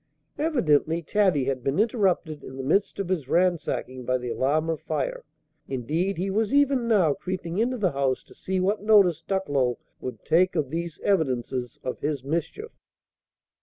Evidently Taddy had been interrupted, in the midst of his ransacking, by the alarm of fire. Indeed, he was even now creeping into the house to see what notice Ducklow would take of these evidences of his mischief.